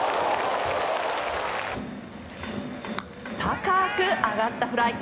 高く上がったフライ。